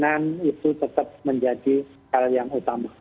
dan itu tetap menjadi hal yang utama